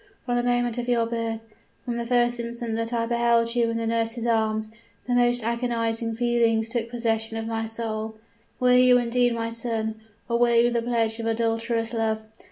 From the moment of your birth from the first instant that I beheld you in the nurse's arms the most agonizing feelings took possession of my soul. Were you indeed my son? or were you the pledge of adulterous love?